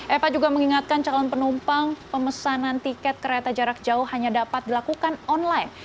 eva juga mengingatkan calon penumpang pemesanan tiket kereta jarak jauh hanya dapat dilakukan online